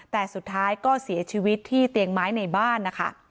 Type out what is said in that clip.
แต่สุดท้ายก็เสียชีวิตที่เตียงไม้ในบ้านนะคะ